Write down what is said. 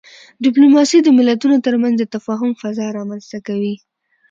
ډيپلوماسي د ملتونو ترمنځ د تفاهم فضا رامنځته کوي.